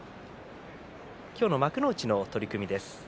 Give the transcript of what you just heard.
今日の幕内の取組です。